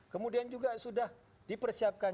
kemudian juga sudah dipersiapkan